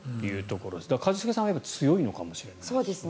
だから一茂さんは強いのかもしれないですね。